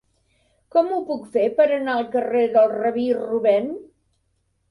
Com ho puc fer per anar al carrer del Rabí Rubèn?